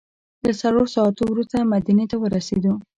له څلورو ساعتو وروسته مدینې ته ورسېدو.